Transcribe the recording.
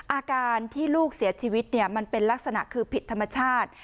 อาการที่ลูกเสียชีวิตมันเป็นลักษณะคือผิดธรรมชาติ